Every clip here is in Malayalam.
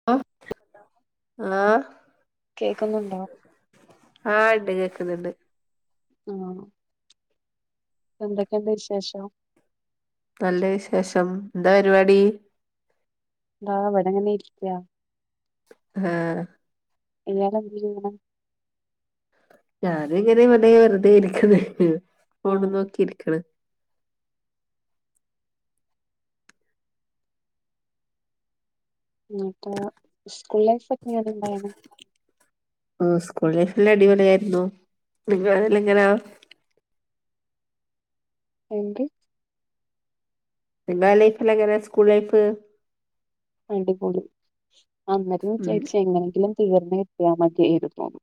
[inaudible] ആ. കേക്കുന്നുണ്ടോ. ആ ഇണ്ട് കേക്കുന്നുണ്ട്. ആണോ എന്തൊക്കെ എന്താ വിശേഷം. നല്ല വിശേഷം എന്താ പരിപാടി. ദാ ഇവിടെ ഇങ്ങനെ ഇരിക്ക്യാ. [unintelligible] [inaudible] ഞാനും ഇങ്ങനെ ഇവടെ വെറുതെ ഇരിക്കണ് ഉം ഫോണും നോക്കിയിരിക്കണ്. എന്നിട്ടോ സ്കൂൾ ലൈഫ് ഒക്കെ എങ്ങനെണ്ടായിരുന്ന്. ഓ സ്കൂൾ ലൈഫ് എല്ലാം അടിപൊളി ആയിരുന്നു നിങ്ങളെ എങ്ങനാ. എന്ത്. നിങ്ങടെ ലൈഫിൽ എങ്ങനാ സ്കൂൾ ലൈഫ്. അടിപൊളി അന്നേരം ഉം വിചാരിച്ച് എങ്ങനെങ്കിലും. തീർന്ന് കിട്ടിയാ മതിയായിരുന്നുന്ന്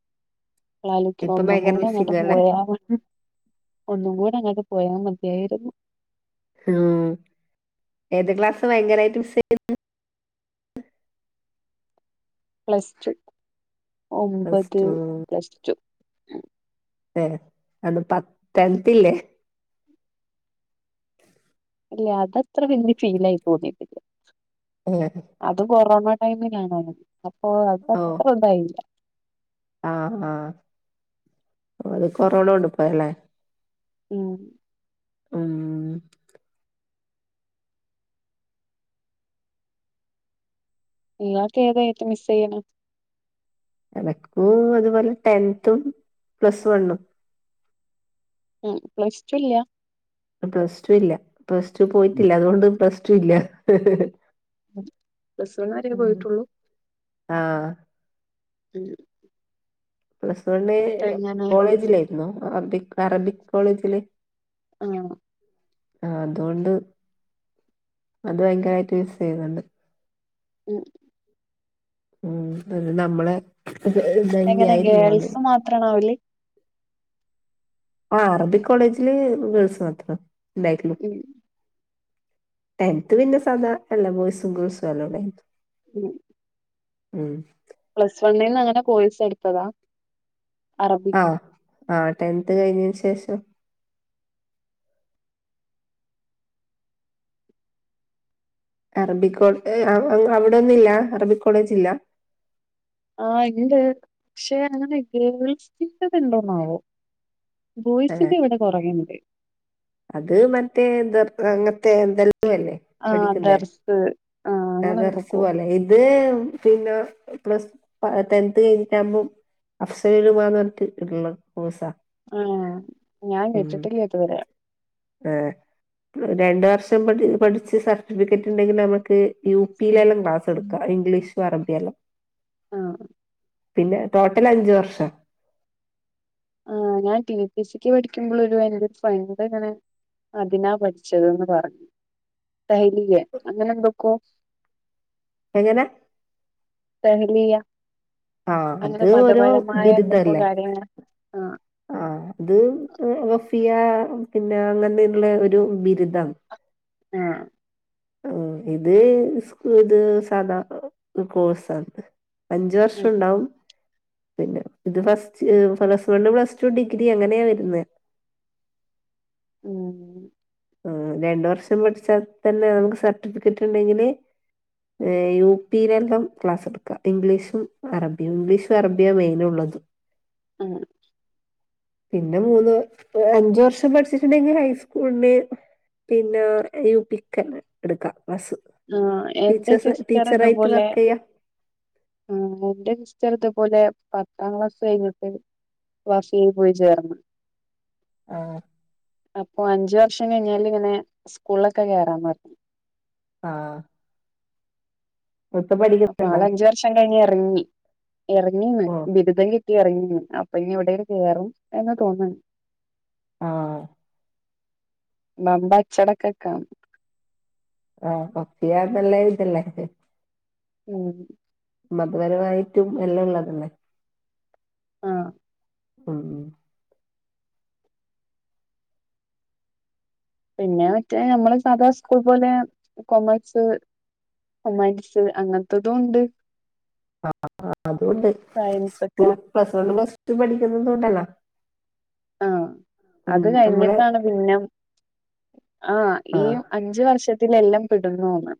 ഇന്നാലോയിക്കുമ്പോ ഇപ്പം ഒന്നും ഭയങ്കര കൂടെ അങ്ങട്ട് മിസ്സിംഗ് അല്ലേ പോയാ മതി. ഒന്നും കൂടെ അങ്ങട്ട് പോയാ മതിയായിരുന്നു. ഉം ഏത് ക്ലാസ് ഭയങ്കരായിട്ട് മിസ്. [unintelligible] പ്ലസ് ടു പ്ലസ് ഒമ്പത് ടു പ്ലസ്. ടു എ അത് പത് ടെൻത്ത് ഇല്ലേ. ഇല്ല അതത്ര വല്ല്യ ഫീൽ ആയി തോന്നിട്ടില്ല. ഉം. അത് കൊറോണ ടൈമിലാ [unintelligible] അപ്പൊ ഓഹ് അതത്ര ഇതായില്ല. ആഹ് ആഹ് ഓല് കൊറോണ കൊണ്ട് പോയല്ലേ? ഉും [unintelligible] ഇങ്ങാക്ക് ഏതാ ഏറ്റോം മിസെയണേ. എനക്കും അതുപോലെ ടെൻത്തും പ്ലസ് വണ്ണും. ഉും പ്ലസ് ടു ല്ല്യ പ്ലസ് ടു ഇല്ല, പ്ലസ് ടു പോയിട്ടില്ല, അതൊണ്ട് പ്ലസ് ടു ഇല്ല. പ്ലസ് വൺ വരെ പോയിട്ടുള്ളൂ. ആഹാ ഹും. പ്ലസ് വണ്ണ് എങ്ങനെ കോളേജിലായിരുന്നു അറബിക് അറബിക് കോളേജില്. ആഹാ ആ അതൊണ്ട് അത് ഭയങ്കരായിട്ട് മിസെയ്യുന്നുണ്ട്. [unintelligible] ഉം ഇത് നമ്മളെ എങ്ങനെ തന്നെയായിരുന്നു അതും. ഗേൾസ് [unintelligible] ആ അറബിക് കോളേജില് ഗേൾസ് മാത്രം ണ്ടായിട്ടുള്ളു. ഉും ടെൻത്ത് പിന്നെ സാദാ എല്ല ബോയ്സും ഗേൾസും അല്ലോടെനു [inaudible] ഉും മ് പ്ലസ് വണ്ണിന്ന്ങ്ങനാ കോഴ്സ് എടുത്തതാ. അറബിക് ആ ആ ടെൻത് കഴിഞ്ഞിന് ശേഷം. അറബിക്കോളേ അവിടൊന്നുല്ല അറബിക് കോളേജ് ഇല്ല. ആ ഇണ്ട് ക്ഷേ അങ്ങനെ ഗേൾസിന്റെത് ഇണ്ടോന്നാവോ. ആഹ് ബോയ്സിന്റെ ഇവിടെ കുറെണ്ട്. അത് മറ്റേത് അങ്ങത്തെ എന്തെല്ലോ അല്ലേ ആ ദർസ് ആഹ് ആ അങ്ങനെ ദർസ് എന്തൊക്കോ പോലെ ഇത് പിന്നെ പ്ലസ് പ ടെൻത് കഴിഞ്ഞിട്ടാവുമ്പം അഫ്സരയിൽപോവാന്നറ്ട്ട് ഇരുന്ന കോഴ്‌സാ ആഹ ഞാൻ വെചിട്ട്ല്യത് വരെ ആ രണ്ട വർഷം പഠി പഠിച്ച് സർട്ടിഫിക്കറ്റ്ണ്ടെങ്കിൽ നമുക്ക് യു പിയിലെല്ലാം ക്ലാസ്ട്ക ഇംഗ്ലീഷും അറബിയെല്ലാം. ആഹാ പിന്നെ ടോട്ടൽ അഞ്ച് വർഷാ ആ ഞാൻ ടി ടി സിക്ക് പഠിക്കുമ്പോളരു യിന്റെ ഫണ്ട് എങ്ങനെ അതിനാ പഠിച്ചത് ന്ന്പറഞ്ഞു ട്ടയിൽല്ലെ അങ്ങനെ എന്തൊക്കോ എങ്ങനെ? ഹല ആഹ് അങ്ങനെ അത് ഓരോ മതപരമായ നക്ക കാര്യങ്ങ ആ ആ അത് ഫിയ പിന്നെ അങ്ങനുള്ള ഒരു ബിരുദാണ് ആഹ ആ ഇത് സ്ക ഇത് സധാ കോഴ്സാണ് അഞ്ചു വർഷം ഉം ഉണ്ടാവും പിന്നെ ഇത് ഫസ്റ്റ് പ്ലസ് വണ് പ്ല ു ഡിഗ്രി അങ്ങനെയാ വരുന്നത് ഉം ആ രണ്ട വർഷം പഠിച്ചാൽ തന്നെ നമുക്ക് സർട്ടിഫിക്കറ്റ് ഉണ്ടെങ്കില് യു പിീയിലെല്ലാം ക്ലാസ് എടുക്കുക ഇംഗ്ലീഷും അറബിയും ഇംഗ്ലീഷും അറബിയാണ് മെയിനുള്ളള്ളത് ആഹ പിന്നെ മൂന്ന് അഞ്ച വർഷം പഠിച്ചിട്ടുണ്ടെങ്കിൽ ഹൈസ്കൂളിന് പിന്നെ യുപിക്കല് എടുക്കാം ബസ് ആഹ എന്റെ സിസ്റ്റർ അതുപോലെ വർക്ക് ചെയ്യാ ആ എന്റെ സിസ്റ്റർ ഇതപോലെ പത്താം ക്ലാസ് കഴിഞ്ഞിട്ട് വാഷ ചെയ് പോയി ചേർന്ന്ു ആഹ അപ്പൊ അഞ്ച വർഷം കഴിഞ്ഞാല് ഇങ്ങനെ സ്കൂളിലൊക്കെ കയറാന്ന് പറഞ്ഞു ആഹ ഒത്തപടി അപ്പൊ ആൾ അഞ്ച വർഷം കഴിഞ്ഞ് ഇറങ്ങി ഇറങ്ങിന്ന് ഓഹ് ബിരുദെ കട്ടി ഇറങ്ങി അപ്പൊ ഇനിവിടേും കയറും എന്ന് തോന്നാണ് ആഹ ബമ്പ അച്ചടക്കൊക്കാം ആഹ പക്ഷിയ ആമല്ല ഇതല്ലേ ഉം മതപരമായിട്ടും എല്ലാം ഉള്ളതല്ലേ ആഹ ഉം ഉം പിന്നെ മറ്റേ നമ്മള് സാധാരണ സ്കൂൾ പോലെ കൊമേഴ്സ് അമാരിസ് അങ്ങനത്തെതും ഉണ്ട് ആ അതുകൊണ്ട് സയൻസ് ഒക്കെ സ്കൂൾ പ്ലസ്ണ്ട് പ്ലസ് ടു പഠിക്കുന്നത്ന്തുകൊണ്ടല്ല ആഹ അത് നമ്മള് കഴിഞ്ഞിട്ടാണ് പിന്നെ ആഹ ഈ ആഹ് അഞ്ച വർഷത്തിലെല്ലാം പടുന്നുന്ന്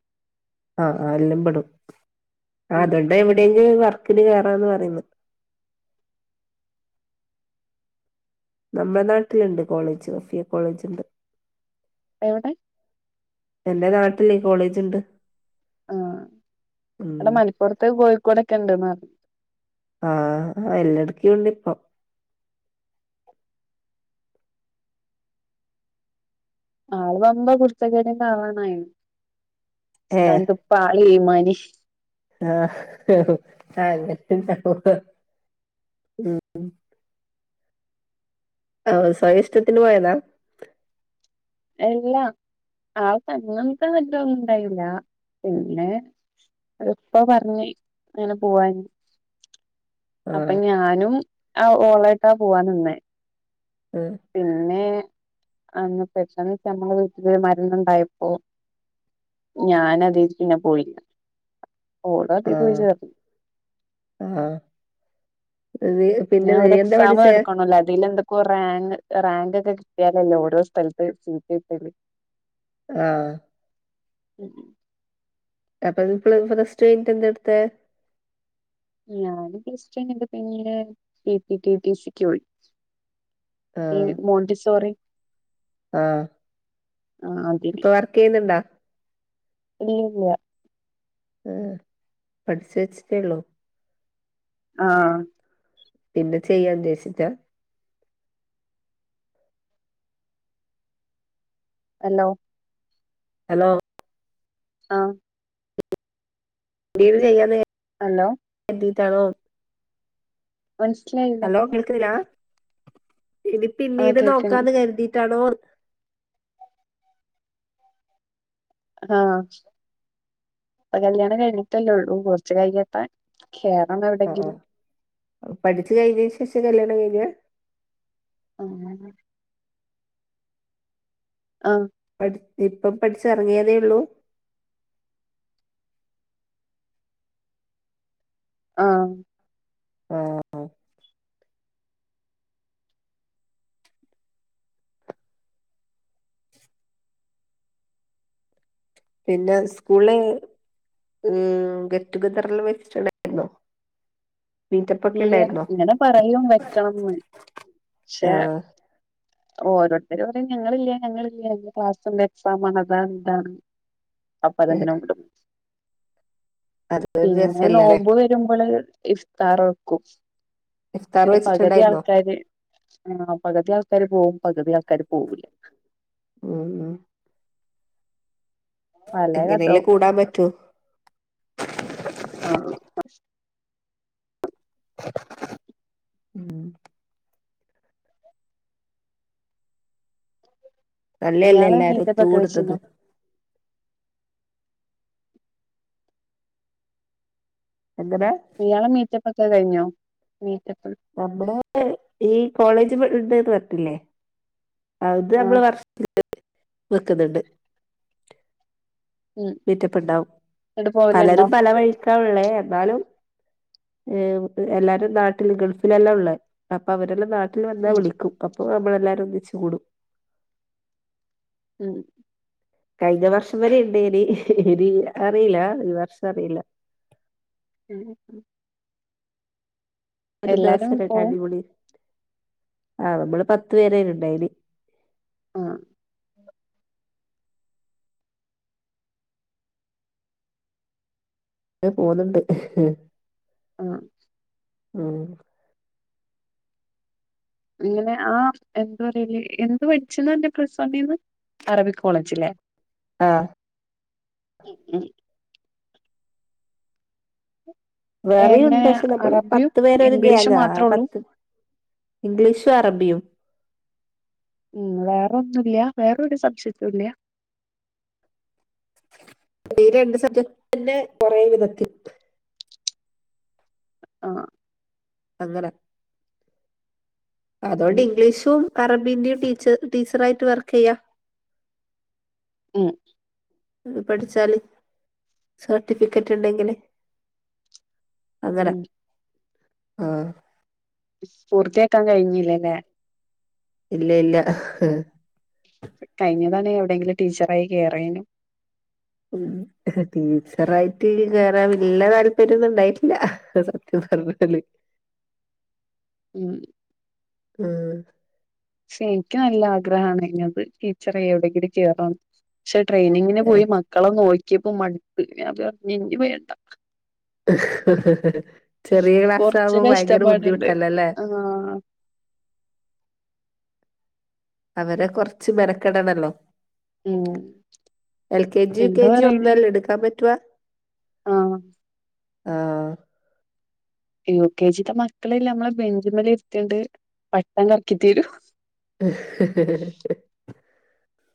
ആഹ് ആ എല്ലാം പെടും ആ ഉം അതുകൊണ്ട എവിടെയെങ്കും വർക്കിന് കയറാന്ന് പറയുന്നു നമ്മുടെ നാട്ടിലുണ്ട് കോളേജ് റഫിയ കോളേജ്ുണ്ട് എവിടെ എന്റെറെ നാട്ടല്ലേ കോളേജ്ുണ്ട് ആഹ അവിടെ ഉം മണപ്പുറത്ത് കോഴിക്കോടൊക്കെ ഉണ്ട്ന്ന് പറഞ്ഞു ആഹ എല്ലാടക്കുണ്ട് ഇപ്പൊ ആൾ വുമമ്പോ കുടുത്തക്കാര കാറണായിരുന്നു സ്ഥാനിക്ക ഇപ്പ ആൾ മാനി ആഹ അ ഉം ഓ സ്വയം ഇഷ്ടത്തിന് പോയെന്നാ എല്ലാ ആ സമക്ക നറ്റൊന്നും ഇണ്ടായില്ല പിന്നെ അതിപ്പോ പറഞ്ഞ് അങ്ങനെ പോവു അപ്പൊ ആഹ് ഞാനും ആ ഓളായിട്ടാ പോവാൻ നിന്നേ ഉം പിന്നെ അ പക്ഷന്ന് വെച്ചാ നമ്മള വീട്ടിലരു മരുന്നുണ്ടായപ്പോ ഞാന അത പിന്നെ പോയില്ല ഓടതി പോയി ആഹ് തർന്നു അത പിന്നെ അവര് എക്സാം എടുക്കണല്ലോ അതിൽെന്ത റാങ് റാങ്ക് ഒക്കെ കിട്ടിയാലല്ലോ ഓരോ സ്ഥലത്ത് സീറ്റ് കട്ടല് ആഹ ക്ക അപ്പൊ ഇ ഫസ്റ്റ് കഴ് എന്ത എടുത്ത ഞാൻദ്ദേത് പിന്നെ പി പി സിക്ക് പോയി ഈ മോണ്ടി സോറി ആഹ ആ അതിന് ഇപ്പൊ വർക്ക് ചെയ്യുന്നുണ്ടോ ഇല്ല ഇല്ല ആ പഠിച്ച വെച്ചിട്ടേള്ളൂ ആഹ പിന്നെ ചെയ്യാൻ ഉദേശിച്ച അല്ലോ ഹലോ ആഹ ഡീര് ചെയ്യാന്ന ഹലോ എീട്ടാണോ മനസ്സിലായി ഹലോൾക്കാ ഇനി ആഹ് പിന്നീട് കേക്കണ് നോക്കാന്ന് കരുതിീട്ടാണോ ആഹ ഇപ്പൊ കല്യാണം കഴിഞ്ഞിട്ടല്ലേള്ളൂ കുറച്ച് കൈകേട്ടാൻ കറണം ആഹ് എവിടെങ്കിലും പഠിച്ചു കഴിഞ്ഞ ശശ കല്യാണം കഴി ഓ ആ പഠ ഇപ്പം പഠിച്ച ഇറങ്ങിയതേ ഉള്ളൂ ആഹ ആഹ പിന്നെ സ്കൂള് ഉ ഗെറ്റ് ടുഗതറല്ലാം വെച്ചിട്ടുണ്ടായിരുന്നോ മീറ്റപ്പ് ഒക്കെ ഇല്ല ഉണ്ടായിരുന്നോ ഇങ്ങനെ പറയും വെക്കണം പക്ഷേ ആഹ് ഓ ഓരോരുത്തർ പറയും ഞങ്ങളില്ല ഞങ്ങളില്ല ക്ലാസിന്റെ എക്സാം ആണ്താ എന്താണ് അപ്പതിനഞ്ചന കട അതൊരു പിന്നെ രസല്ലല്ലേ നോമ്പ് വരുമ്പോൾ ഇസ്താറക്കും ഇഫ്താർ ഇടെ പകുതി വെച്ചിട്ടുണ്ടായിരുന്നോ ആൾക്കാര് ആ പകുതി ആൾക്കാാര് പോകവുംും പകുതി ആൾക്കാാര് പോകൂില്ല ഓ ഓ അല്ലേ കത്ത എങ്ങനെല്ലേ കൂടാൻ പറ്റൂ ആ ഉം ഇയാളെ തല്ലയല്ലെല്ലായിരുത്തും മീറ്റപ്പൊക്കെ ഊടത്തത് വെച്ചിനോ എകരാ മയാളെ മീറ്റപ്പൊക്കെ കഴിഞ്ഞോ മീറ്റപ്പ നമ്മള് ഈ കോളേജ് ഉണ്ട്ന്ന് പററ്റില്ലേ അത് നമ്മള് ആഹ് വർഷ വെക്കുന്നുണ്ട് ഉം വിറ്റപ്പുണ്ടാവും ന്നിട്ട് പോവലുണ്ടോ പലരും പലവഴിക്കാള്ളേ എന്നാലും ഏഹ എല്ലാരും നാട്ടിൽ ഗൾഫിലെല്ലാം ഉള്ള അപ്പൊ അവരെല്ലാം നാട്ടിൽ വന്നാ ഉം വിളിക്കും അപ്പൊ നമ്മളെല്ലാരും ഒന്നിച്ചച്ച് കൂടും ഉം കഴിഞ്ഞ വർഷം വരെെയുണ്ട് ഇനി ഇനി അറിയില്ല ഈ വർഷം അറിയില്ല ഉം ഉ ഒരു ദിവസ എല്ലാരും രട്ട പോവും അടിപൊളി ആ് നമ്മള് പത്ത പേരന ഉണ്ടായിന് ആഹ ഞ പോുന്നുണ്ട് ആഹ ഉ ഇങ്ങനെ ആ എന്താ പറല എന്ത് മടിച്ചന്ന്ന്നെ പ്രസോണീന്ന് അറബിക് കോളേജില്ലേ ആ ഉ എങ്ങനെ വേറെുണ്ട് പക്ഷെ നമ്മള് അറബിയും പത്ത് പേരൊ ഒരു ഇംഗ്ലീഷും ഇത്േങ്ങ മാത്രള്ളൂ പത്ത് ഇംഗ്ലീഷും അറബിയും ഉം വേറെ ഒന്നുമല്ല വേറൊര സംശയിച്ചില്ല ഈ രണ്ട് സബ്ജക്ട് തന്നെ കൊറെ വിധത്തിൽ ആഹ അങ്ങനെ ഉം അതുകൊണ്ട് ഇംഗ്ലീഷും അറബിന്റെയും ടീച്ച ടീച്ചർ ആായിട്ട് വർക്ക് ചെയ്യാം ഉം അത് പഠിച്ചാല് സർട്ടിഫിക്കറ്റ് ഉണ്ടെങ്കില് അങ്ങനെ ഉം ആഹ പൂർത്തിയാക്കാൻ കഴിഞ്ഞില്ലല്ലേ ഇല്ല ഇല്ല ഴിഞ്ഞ തണെ എവിടെെങ്കിലും ടീച്ചറായി കയറിയനും ഉ ടീച്ചറായിട്ട് കേറാ വല്ല താല്പര്യൊന്നും ഉണ്ടായിട്ടില്ല സത്യംന്ന് പറഞ്ഞാല് ഉം ഉം പക്ഷെ എനിക്ക് നല്ല ആഗ്രഹമാണ് അത് ടീച്ചറെ എവിടെങ്കിലും ക കേറന്ന് പക്ഷെ ട്രെയിനിങ്ങിന് പോയി മക്കളെ നോക്കിയപ്പോ മടുത്ത് പറഞ്ഞഞ് ഇ പോയണ്ട ചെറിയ ക്ലാസ് ആകുമ്പോ ഭയങ്കര ബുദ്ധിമുട്ടല്ലല്ലേ ആഹ അവരെ കുറച്ച് മെനക്കെടണല്ലോ ഉം L K G U K എന്താ ജി പറയല് ഒന്നല്ല എടുക്കാൻ പറ്റവാ ആ ആഹ യു കെ ജിുടെ മക്കളെല്ല നമ്മളെ ബെഞ്ചി മല ഇരുത്തിണ്ട് പട്ടം കറക്കി തീരൂ ഉ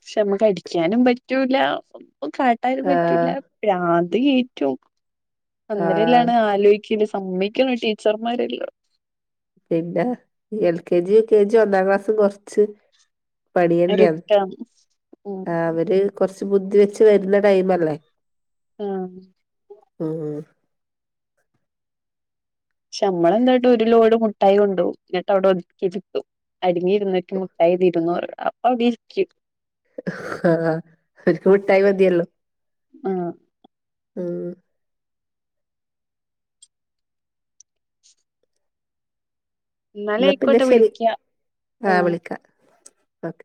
പക്ഷെ നമ്മുക്ക് അടിക്കാനും പറ്റൂല കാട്ടാനും പറ്റൂല ആഹ് അത് ഏറ്റവും ആഹ് അന്നേരല്ലാണ് ആലോച സമ്മക്കുന്നു ടീച്ചർമാരെല്ലോ പിന്നെ ഈ L K G U K G ഒന്നാം ക്ലാസ്സും കൊറ പണിയന്നെയ റിസ്ക്കാണ് ഉം അവര് കുറച്ച് ബുദ്ധി വെച്ച് വരുന്ന ടൈം അല്ലേ ആം ആ നമ്മളെന്തായിട്ട് ഒരു ലോഡ് മുട്ടായി കൊണ്ടുപും എന്നിട്ട് അവിടെ ഒതുക്കി വിട്ടു അടുങ്ങിയിരുന്നക്ക മുക്കഴതിീരുന്ന അ ആഹ അവക്ക് മുട്ടായി മതിയല്ലോ ആഹ ആ എന്നാലെ എന്നാ പിന്നെ ആയിക്കോട്ടെ ശരി വിളിക്ക ആ ആഹ് വിളിക്കാം ഓക്കെ